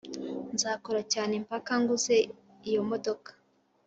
Nzakora cyane mpaka nguze iyo modoka.